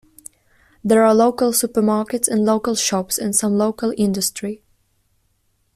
There are local supermarkets and local shops, and some local industry.